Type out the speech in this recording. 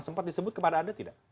sempat disebut kepada anda tidak